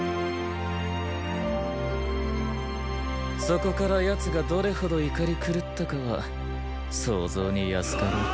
そこから奴がどれほど怒り狂ったかは想像に易かろう。